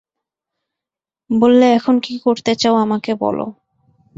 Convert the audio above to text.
বললে, এখন কী করতে চাও আমাকে বলো।